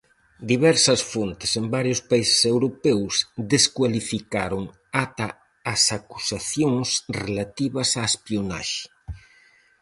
Diversas fontes en varios países europeos descualificaron ata as acusacións relativas á espionaxe.